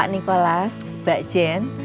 pak nicholas mbak jen